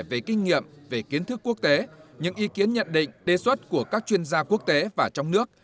về kinh nghiệm về kiến thức quốc tế những ý kiến nhận định đề xuất của các chuyên gia quốc tế và trong nước